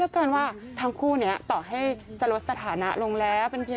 ของคู่นี้ออกมาเรื่อย